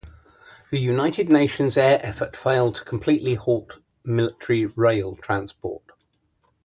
The United Nations air effort failed to completely halt military rail transport.